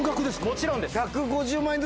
もちろんです！